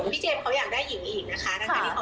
เจมส์เขาอยากได้หญิงอีกนะคะ